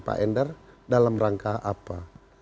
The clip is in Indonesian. pak endar dalam rangka apa